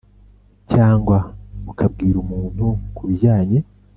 cyangwa ukabwira umuntu ku bijyanye.